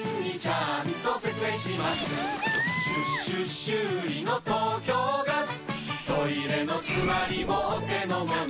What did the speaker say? しゅ・しゅ・修理の東京ガストイレのつまりもお手のもの